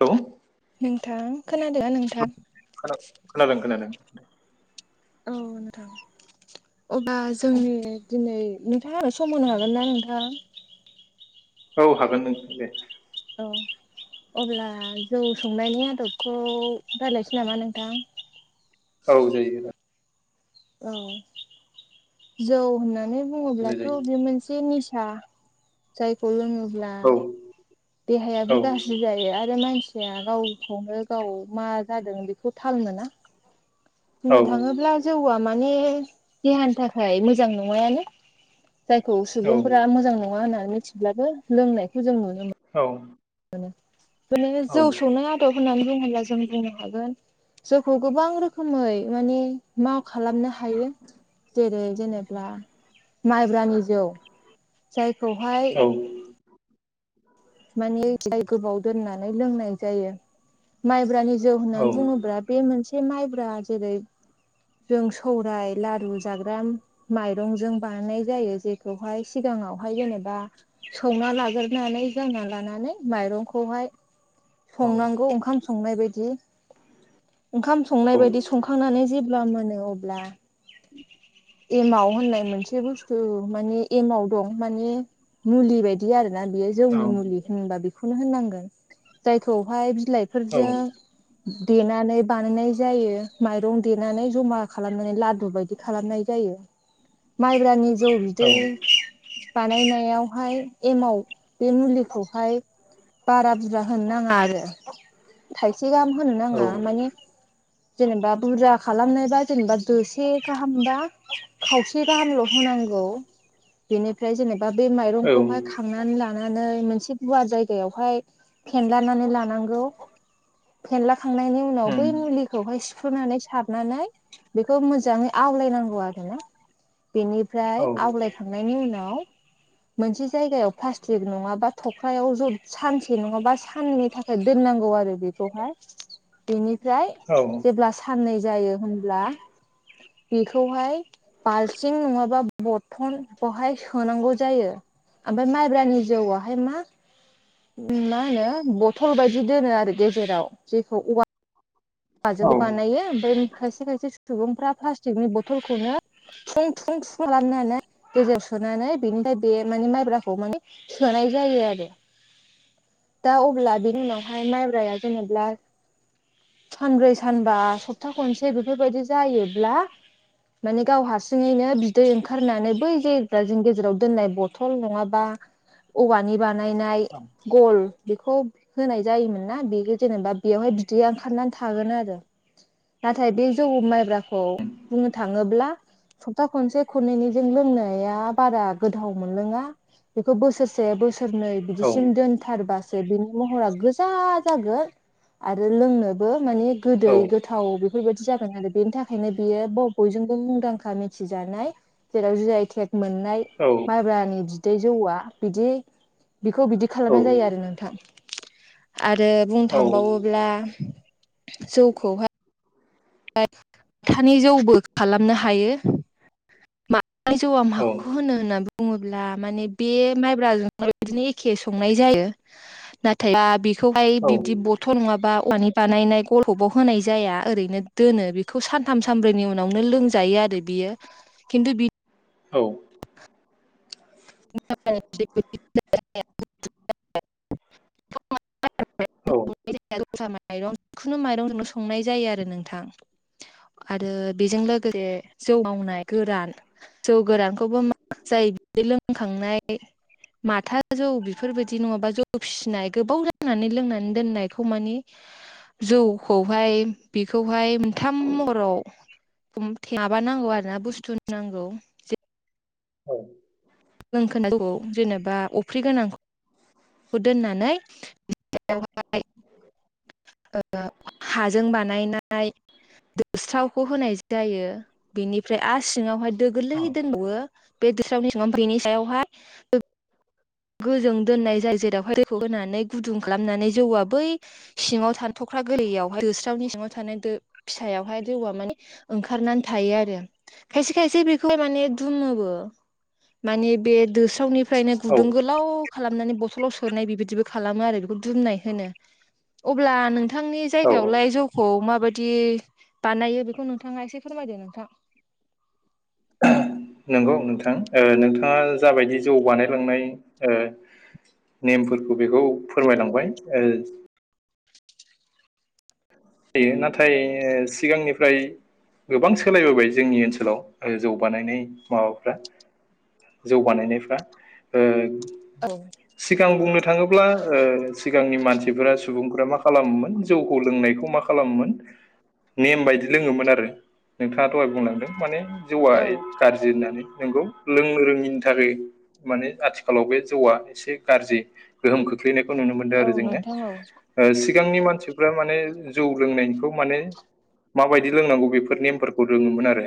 Hello नोंथां खोनादों ना नोंथां औ खोनादों खोनादों औ नोंथां अब्ला औ जोंनि दिनै नोंथांङा आंनो सम होनो हागोन ना नोंथां औ हागोन नोंथां दे औ अब्ला जौ संनायनि आदबखौ रायज्लायनोसै नामा नोंथां औ जायो औ जौ होननानै रायलाय बुंङोब्लाथ' जायो बे मोनसे निसा जाय फल मुरला औ औ देहायाबोजा बुजायो आरो मानसिया गावखौनो गाव मा जादों बेखौ थाल मोना औ बुंनो थांङोब्ला जौआ माने देहानि थाखाय मोजां नंङायानो जायखौ औ सुबुंफोरा मोजां नंङा होननानै मिथिब्लाबो लोंनायखौ जों नुनो मोनो औ नोंङो औ जौ सौनाय आदब होननानै बुंङोब्ला जों बुंनो हागोन जौखौ गोबां रोखोमै माने माव खालामनो हायो थायो जेरै जेनेब्ला माइब्रानि जौ जायखौहाय औ माने जाय गोबाव दोननानै लोंनाय जायो माइब्रानि जौ होननानै बुंङोब्ला बे मोनसे माइब्रा जेरै जों सौराय लारु जाग्रा माइरंजों बानायनाय जायो जेखौहाय सिगांङावहाय जेनेबा संना लाग्रोनानै जानना लानानै माइरंखौहाय संनांगौ ओंखाम संनाय बायदि ओंखाम संनाय बायदि संखांनानै जेब्ला मोनो अब्ला एमाव होननाय मोनसे बुस्थु माने एमाव दं माने मुलि बायदि आरो ना बियो जौनि मुलि होनबा बेखौनो होननांगोन जायखौहाय बिलाइफोरजों देनानै बानायनाय जायो माइरं देनानै जमा खालामनानै लादु बायदि खालामनाय जायो। माइब्रानि जौ बिदै बानायनायावहाय एमाव बे मुलिखौहाय बारा बुरजा होनो नांङा आरो थाइसे गाहाम होनो औ नांङा माने जेनेबा बुरजा खालामनोबा जेनेबा दोसे गाहामबा खावसे गाहामल' होनांगौ बेनिफ्राय जेनेबा बे उम माइरंखौहाय खांनानै ला लानानै मोनसे गुवार जायगायावहाय फेनलानानै लानांगौ। फेनलाखांनायनि उनाव बै मुलि खौहाय सिफ्रुनानै सारनानै बेखौ मोजाङै आवलायनांगौ आरो ना औ बेनिफ्राय आवगलायखांनायनि उनाव मोनसे जायगायाव फार्स्ट थिग नङाबा थख्रायाव ज सानसे सनसे नङाबा सान्नैनि थाखाय दोननांगौ आरो बेखौह बेनिफ्राय औ जेब्ला साननै जायो होनब्ला बेखौहाय बाल्थिं नङाबा बथलखौहाय सोनांगौ जायो ओमफ्राय माइब्रानि जौआवहाय मा मा होनो बथल बायदि दोनो आरो गेजेराव जेखौ बानायो ओमफ्राय खायसे खायसे सुबुंफोरा प्लाटिकनि बथलखौनो फुं थुंफु थुफुं खालामनानै गेजेर सोनानै बिनिफ्राय बे माने माइब्राखौ माने सोनाय जायो आरो दा अब्ला बिनि उनावहाय माइब्राया जेनेबा सानब्रै सानबा सप्ता खनसे बेफोरबायदि जायोब्ला माने गाव हारसि नो बिदै ओंखारनानै बै जायफोर जों गेजेराव दोननाय बथल नङाबा औवानि बानायनाय गल बेखौ होनाय जायोमोन ना बे जेनेबा बेयावहाय बिदै ओंखारनानै थागोन आरो नाथाय बे जौग माइब्राखौ बुंनो थाङोब्ला सप्ता खनसे खननैनिजों लोंनाया बारा गोथाव मोनलोङा बेखौ बोसोरसे बोसोरनै बिदिसिम दोनथारबासो बिनि महरा गोजा जागोन आरो लोंनो माने औ गोदै गोथाव थाव बेफोरबायदि जागोन आरो बेनि थाखायनो बियो बयजोंबो मुंदांखा मिथिजानाय जेराव जिआइथेक मोननाय औ माब्रानि बिदै जौआ बिदि बिखौ बिदि खालामनाय जायो आरो नोंथां आरो बुंनो थांबावोब्ला जौखौहाय माथानि जौबो खालामनो हायो माथानि जौआ माखौ होनो होननानै बुङोब्ला माने बे माइब्राजों बिदिनो एखे संनाय जायो नाथाय बा बेखौहाय बिदि फथ' नङाबा औवानि बानायनाय गल हबाव होनाय जाया ओरैनो दोनो बेखौ सान थाम सानब्रैनि उनावनो लोंजायो आरो बियो खिन्थु बि औ [unintelligible] औ दस्रा माइरं जिखुनु माइरंजों संनाय जायो आरो नोंथां आरो बेजों लोगोसे जौ मावनाय गोरान जौ गोरानखौबो मा जायो खांनाय माथा जौ बेफोरबायदि नङाबा जौ फिसिनाय गोबाव नानै लोंनानै दोननायखौ मानि जौखौहाय बेखौहाय मोनथाम महराव माबा नांगौ आरोना बुस्थु नांगौ औ जों खोनौ जेनेबा अफ्रि गोनांखौ खौ दोननानै बेयावहाय [inaudible] हाजों बानायनाय दोस्रावखौ होनाय जायो बेनिफ्राय आरो सिङावहाय दो गोरलै दोनबावो बे दोस्रावनि सिङाव बेनि सायावहाय गोजों दोननाय जायो जेरावहाय दैखौ होनानै गुदुं खालामनानै जौआ बै सिङाव थानो थख्रा गोरलैयावहाय दोस्रावनि सिङाव थानाय फिसायावहाय जौआ माने ओंखारनानै थायो आरो खायसे खायसे बेखौहाय माने दुमोबो मानि बे दोस्रावनिफ्रायनो औ गुदुं ग गोलाव खालामनानै बथलाव सोनाय बेबायदिबो खालामो आरो बेखौ दुमनाय होनो अब्ला नोंथांनि औ औ जायगायावलाय जौखौ माबायदि बानायो बेखौ नोंथाङा एसे फोरमायदो नोंथां नंगौ नोंथां नोंथाङा जाबायदि जौ बानायलांनाय नेमफोरखौ बेखौ फोरमायलांबाय ओ जायो नाथाय ओ सिगांनिफ्राय गोबां सोलायबोबाय जोंनि ओनसोलाव जौगानायनाय माबाफ्रा जौ बानायनायफ्रा ओ औ सिगां बुंनो थाङोब्ला सिगांनि मानसिफोरा सुबुंफोरा मा खालामोमोन जौखौ लोंनायखौ मा खालाम खालामोमोन नेम बायदि लोङोमोन आरो नोंथाङा दहाय बुंलांदों माने जौआ औ गाज्रि होननानै नोंगौ लोंनो रोङिनि थाखाय माने आथिखालाव बे जौआ एसे गाज्रि गोहोम खोख्लैनायखौ नुनो मोनदों आरो जोङो नोंथां औ सिगांनि ओ मानसिफ्रा माने जौ लोंनायखौ माने माबायदि लोंनांगौ बेफोर नेमफोरखौ रोङोमोन आरो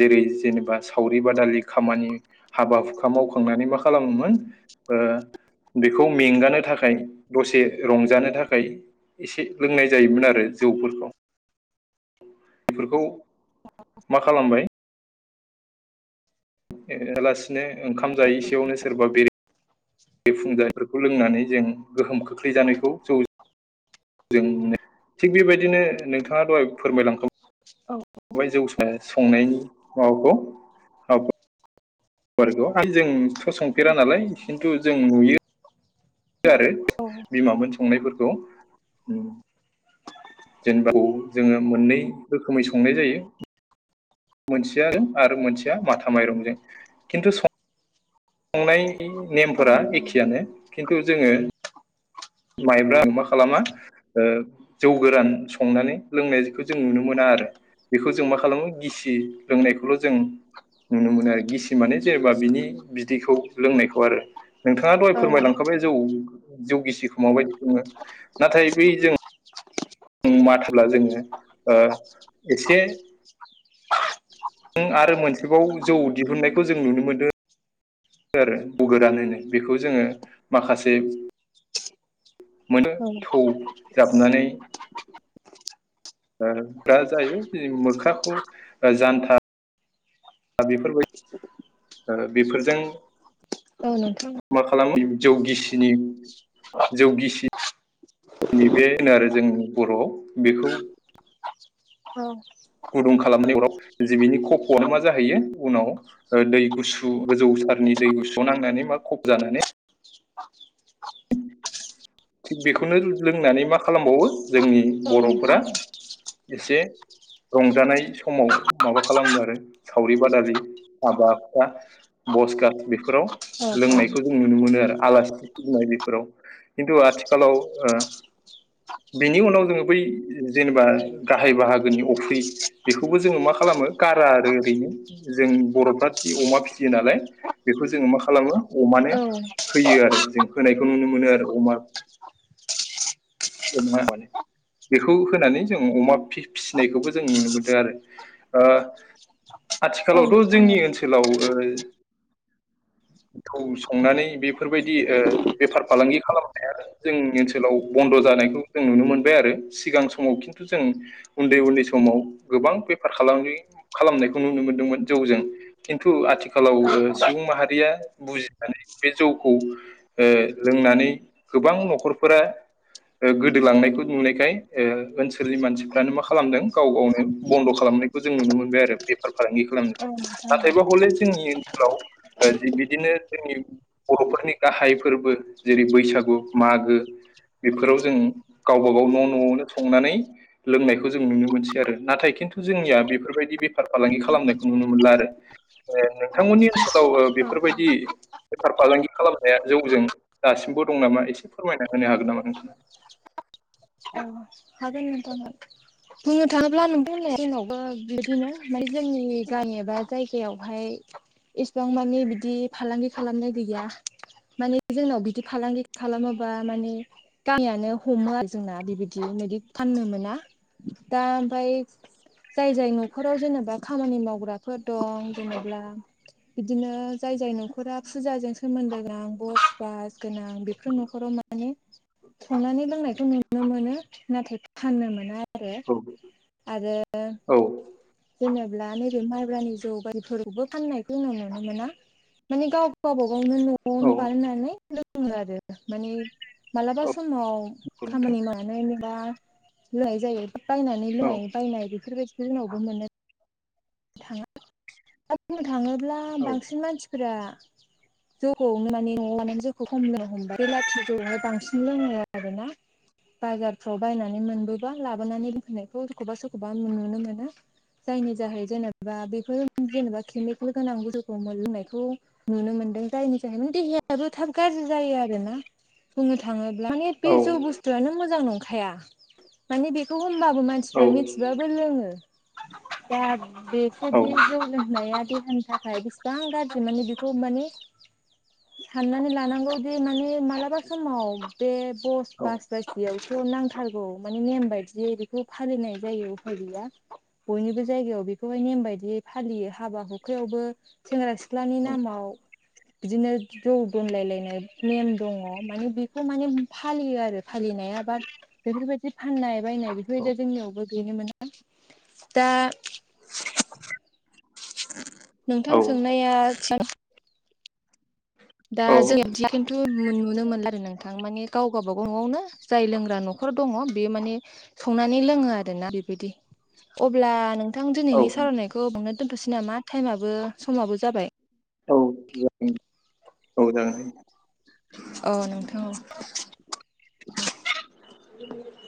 जेरै जेनेबा सावरि बादालि खामानि हाबा हुखा मावखांनानै मा खालामोमोन ओ बेखौ मेंगानो थाखाय दसे रंजानो थाखाय एसे लोंनाय जायोमोन आरो जौफोरखौ बेफोरखौ मा खालामबाय [inaudible] लासिनो ओंखाम जायै एसेयावनो सोरबा बेर [inaudible] बे फुंजानायफोरखौ लोंनानै जों गोहोम खोख्लैजानायखौ जौ जों थिग बेबायदिनो नोंथाङा दहाय फोरमायलांखा औ बै जौ संनायनि माबाखौ गुवारखौ हाय जोंथ' संफेरा नालाय खिन्थु जों नुयो आरो बिमामोन संनायफोरखौ जेनेबा [inaudible] जोङो मोननै रोखोमै संनाय जायो मोनसेया [inaudible] आरो मोनसेया माथा माइरंजों खिन्थु संनाय औ नेमफोरा नोंथां एखेयानो खिन्थु जोङो माइब्रा [inaudible] मा खालामा ओ जौ गोरान संनानै लोंनायखौ जों नुनो मोना आरो बेखौ जों मा खालामो गिसि लोंनायखौल' जों नुनो मोनो आरो गिसि माने जेनेबा बिनि बिदिखौ लोंनायखौ आरो नोंथाङा दहाय औ फोरमायलांखाबाय जौ जौ गिसिखौ माबायदि सङो नाथाय बै जों माथाब्ला जोङो ओ एसे [inaudible] जों आरो मोनसेबाव जौ दिहुननायखौ जों नुनो मोनदों आरो जौ गोरान होनो बेखौ जोङो माखासे मोनो थौ जाबनानै दा जाहैबाय मोख्राखौ जानथा दा बेफोर बायदि ओ बेफोरजों औ नोंथां औ मा खालामो जौ गिसिनि जौगिसि [unintelligible] बे होनो आरो जों बर'आव बेखौ औ गुदुं खालामनाय अराव जे बिनि खफ'आनो मा जाहैयो उनाव ओ दै गुसु गोजौ सारनि दै गुसुआव नांनानै मा खफ जानानै [inaudible] थिग बेखौनो लोंनानै मा खालामबावो जोंनि औ बर'फोरा नोंथां एसे रंजानाय समाव माबा खालामो आरो सावरि बादालि हाबा हुखा बस गास बेफोराव औ लोंनायखौ जों नुनो मोनो आरो आलासि फुजिनाय बेफोराव खिन्थु आथिखालाव ओ बिनि उनाव जोङो बै जेनेबा गाहाय बाहागोनि अफ्रि बेखौबो जोङो मा खालामो गारा आरो ओरैनो जों बर'फ्रा फि अमा फिसियो नालाय बेखौ जोङो मा खालामो अमानो औ होयो आरो जों होनायखौ नुनो मोनो आरो अमा [inaudible] बेखौ होनानै जों अमा फिसिनायखौबो जों नुनो मोनदों आरो ओ औ आथिखालावथ' नोंथां जोंनि ओनसोलाव ओ [inaudible] थौ संनानै बेफोर बायदि ओ बेफार फालांगि खालामनो हाया आरो जोंनि ओनसोलाव बन्द' जानायखौ जों नुनो मोनबाय आरो सिगां समाव खिन्थु जों उन्दै उन्दै समाव गोबां बेफार फालांगि खालामनायखौ नुनो मोनदोंमोन जौजों खिन्थु आथिखालाव सुबुं माहारिया बुजिनानै बे जौखौ लोंनानै गोबां न'खरफोरा गोदोलांनायखौ नुनायखाय ओनसोलनि मानसिफ्रानो मा खालामदों गाव गावनो बन्द खालामनायाय खौ जों नुनो मोनबाय आरो बेफार फालांगि खालामनायखौ औ नोंथां नाथायबा हले जोंनि ओनसोलाव जि बिदिनो जोंनि बर'फोरनि गाहाय फोरबो जेरै बैसागु मागो बेफोराव जों गावबा गाव न' न'आवनो संनानै लोंनायखौ जों नुनो मोनसै आरो नाथाय खिन्थु जोंनिया बेफोर बायदि बेफार फालांगि खालामनायखौ नुनो मोनला आरो ओ नोंथांमोननि ओ ओनसोलाव औ बेफोर बायदि बेफार फालांगि खालामनाया जौजों दासिमबो दं नामा एसे फोरमायना होनो हागोन नामा नोंथाङा औ हागोन नोंथां हागोन बुंनो थाङोब्ला नों बुंनाय बादिनो जोंनावबो बिदिनो ओमफ्राय जोंनि गामि एबा जायगायावहाय इसिबां मानि बिदि फालांगि खालामनाय गैया माने जोंनाव बिदि फालांगि खालामोबा माने गामियानो हमो आरो जोंना बिबायदि बिदि बायदि फाननो मोना दा ओमफाय जाय जाय न'खराव जेनेबा खामानि मावग्राफोर दं जेनेबा बिदिनो जाय जाय न'खरा फुजाजों सोमोनदो गोनां बस बास गोनां बेफोर न'खराव मा माने संनानै लोंनायखौ नुनो मोनो नाथाय फाननो मोना आरो आरो औ आरो औ जेनेब्ला नैबे माइब्रानि जौगायफोरावबो फाननायखौ नुनो मोना माने गाव गावबा गावनो न'आवनो बानायनानै लोङो आरो माने मालाबा औ समाव नंगौ खामानि नोंथां मावनानै दा होनाय जायो बायनानै औ होननाय बायनाय बेफोरबायदिखौ जोंनावबो मोनो थाङा दा बुंनो थाङोब्ला औ बांसिन मानसिफोरा जौगनो माने न'आव लनानै जोखौ हमनो हमबाय बेलाथि जौआवाय बांसिन लोङो आरोना बाजारफ्राव बायनानै मोनबोबा लाबोनानै दोनफैनायफ्राव सोरखौबा सोरखौबा नुनो मोनो जायनि जाहै जेनेबा बेफोर जेनेबा केमिकेल गोनां जौखौ लोंनायखौ नुनो मोन्दों जायनि थाखायनो देहायाबो थाब गाज्रि जायो आरोना बुंनो थाङोब्ला माने बे औ जौ बुस्थुआनो मोजां नंखाया माने बेखौ होनबाबो मान औ मानसिफ्रा मिथिबाबो लोङो दा औ बेबायदि जौ लोंनाया देहानि थाखाय बिसिबां गाज्रि माने बेखौ माने साननानै लानांगौदि माने मालाबा समाव बे बस बास बासियावो नांथारगौ माने नेम बायदियै बेखौ फालिनाय जायो उफाय गैया बयनिबो जायगायाव बेखौ बेखौहाय नेम बायदियै फालियो हाबा हुखायावबो सेंग्रा सिख्लानि नामाव बिदिनो जौ दोनलायलायनाय नेम दङ माने बेखौ माने फालियो आरो फालिनाया बाद बेफोरबायदि फाननाय बायनाय बेफोरबायदि जोंनियावबो गैनो मोना दा [inaudible] नोंथां सोंनाया [unintelligible] दा औ जों बिदि खिन्थु नुनो मोन आरो नोंथां माने गावबागाव न'वावनो [unintelligible] जाय लोंग्रा नखर दङ बेयो माने संनानै लोङो आरोना बेबायदि अब्ला नोंथां दिनैनि सावरायनायखौ बेयावनो दोनथसै नामा टाइमाबो समाबो जाबाय औ जागोन औ जागोन दे नोंथां अ नोंथा अ [inaudible]